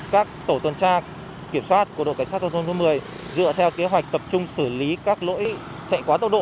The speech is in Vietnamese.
các tổ tuần tra kiểm soát của đội cảnh sát giao thông số một mươi dựa theo kế hoạch tập trung xử lý các lỗi chạy quá tốc độ